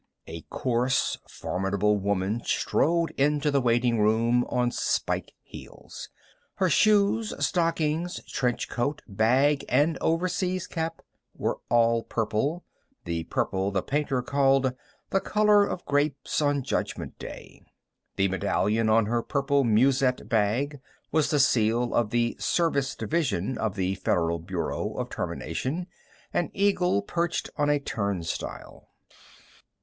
A coarse, formidable woman strode into the waiting room on spike heels. Her shoes, stockings, trench coat, bag and overseas cap were all purple, the purple the painter called "the color of grapes on Judgment Day." The medallion on her purple musette bag was the seal of the Service Division of the Federal Bureau of Termination, an eagle perched on a turnstile.